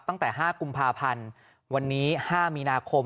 ตั้งแต่๕กุมภาพันธ์วันนี้๕มีนาคม